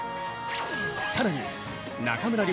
更に中村輪